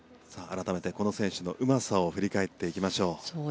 改めてこの選手のうまさを振り返っていきましょう。